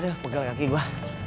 aduh pegal kaki gua